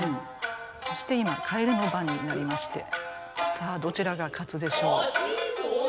そして今蛙の番になりましてさあどちらが勝つでしょう。